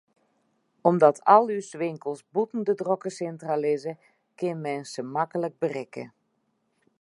Omdat al ús winkels bûten de drokke sintra lizze, kin men se maklik berikke.